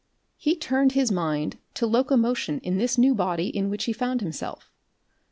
He turned his mind to locomotion in this new body in which he found himself.